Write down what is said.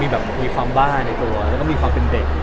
มันก็มีความบ้าอ่ะและมีความเก่งเด็ก